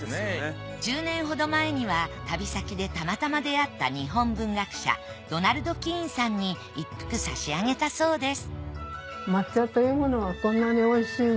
１０年ほど前には旅先でたまたま出会った日本文学者ドナルド・キーンさんに一服差し上げたそうです